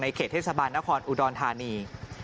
เขตเทศบาลนครอุดรธานี